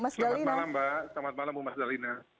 selamat malam mbak selamat malam mbak dalina